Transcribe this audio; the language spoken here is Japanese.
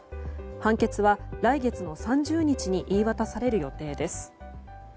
判決は来月の３０日に言い渡される予定です。